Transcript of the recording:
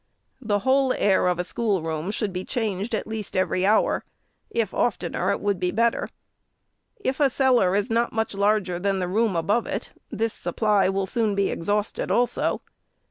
The whole air of a schoolroom should be changed at least every hour : if oftener, it would be better. If a cellar is not much larger than the room above it, this supply will soon be exhausted also.